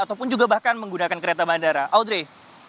ataupun juga bahkan menggunakan kereta bandara audrey